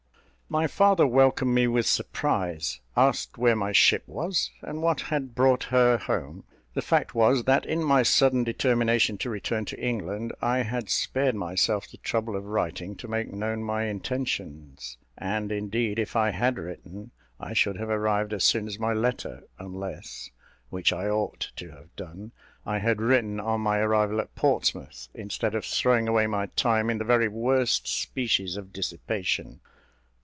My father welcomed me with surprise; asked where my ship was, and what had brought her home. The fact was, that in my sudden determination to return to England, I had spared myself the trouble of writing to make known my intentions; and, indeed, if I had written, I should have arrived as soon as my letter, unless (which I ought to have done) I had written on my arrival at Portsmouth, instead of throwing away my time in the very worst species of dissipation.